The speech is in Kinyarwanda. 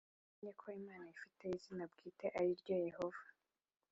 Namenye ko Imana ifite izina bwite ari ryo Yehova